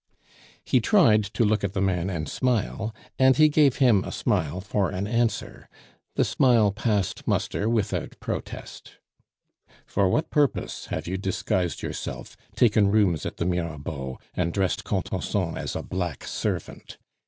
He tried to look at the man and smile, and he gave him a smile for an answer; the smile passed muster without protest. "For what purpose have you disguised yourself, taken rooms at the Mirabeau, and dressed Contenson as a black servant?"